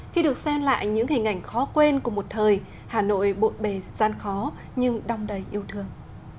khi được xem lại những hình ảnh khó quên của một thời hà nội bộn bề gian khó nhưng đong đầy yêu thương